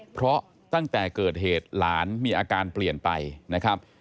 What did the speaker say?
เพราะตั้งแต่เกิดเหตุหลานมีอาการเปลี่ยนไปนะครับ